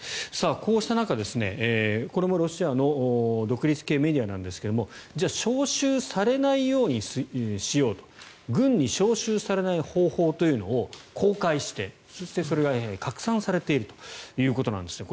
こうした中、これもロシアの独立系メディアなんですがじゃあ招集されないようにしようと軍に招集されない方法というのを公開してそしてそれが拡散されているということなんですね。